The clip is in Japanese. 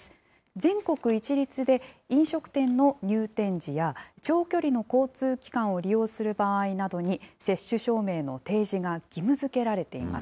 全国一律で飲食店の入店時や長距離の交通機関を利用する場合などに、接種証明の提示が義務づけられています。